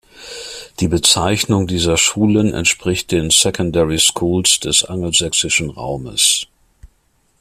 Die Bezeichnung dieser Schulen entspricht den "Secondary Schools" des angelsächsischen Raumes.